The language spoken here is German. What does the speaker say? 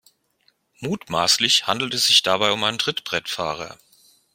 Mutmaßlich handelt es sich dabei um einen Trittbrettfahrer.